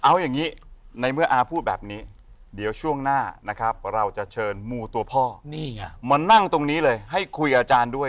เอาอย่างนี้ในเมื่ออาพูดแบบนี้เดี๋ยวช่วงหน้านะครับเราจะเชิญมูตัวพ่อนี่ไงมานั่งตรงนี้เลยให้คุยกับอาจารย์ด้วย